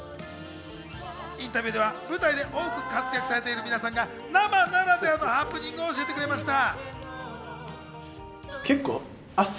インタビューでは舞台で多く活躍されている皆さんが生ならではのハプニングを教えてくれました。